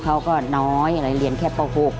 เขาก็น้อยเรียนแค่ประกุก